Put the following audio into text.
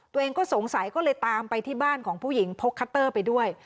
ตัวเองก็สงสัยก็เลยตามไปที่บ้านของผู้หญิงพกคัตเตอร์ไปด้วย